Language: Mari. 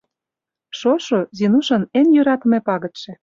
Шошо — Зинушын эн йӧратыме пагытше.